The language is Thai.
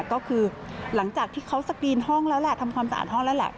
ก็คือหลังจากที่เขาสกรีนห้องแล้วแหละทำความสะอาดห้องแล้วแหละ